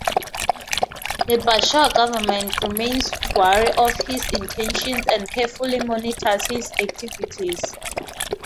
The Bashar government remains wary of his intentions and carefully monitors his activities.